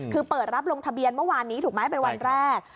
คือเปิดรับลงทะเบียนเมื่อวานนี้ถูกไหมเป็นวันแรก